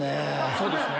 そうですね。